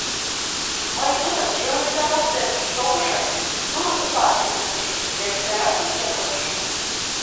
Мый тудым чыве вӱта воктен шогышо тур ӱмбаке пыштышым да виктараш тӧчен ончышым.